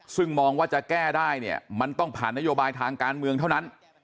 ซึ่งมองว่าจะแก้ได้เนี่ยมันต้องผ่านนโยบายทางการเมืองเท่านั้น